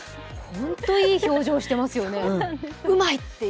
ホント、いい表情してますよね、うまいっていう。